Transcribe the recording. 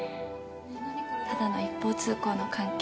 ただの一方通行の関係。